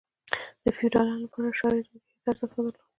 د فیوډالانو لپاره شاړې ځمکې هیڅ ارزښت نه درلود.